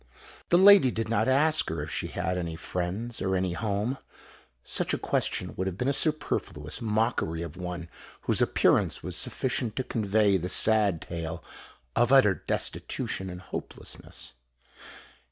The lady did not ask her if she had any friends, or any home. Such a question would have been a superfluous mockery of one whose appearance was sufficient to convey the sad tale of utter destitution and hopelessness.